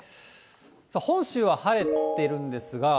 本州は晴れているんですが。